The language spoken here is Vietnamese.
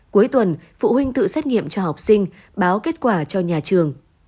cuối tuần phụ huynh tự xét nghiệm cho học sinh báo kết quả cho nhà trường